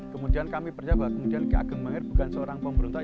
kemudian kami percaya bahwa kemudian ki ageng mahir bukan seorang pemerintah